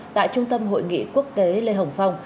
tại trung tâm hội nghị quốc tế lê hồng phong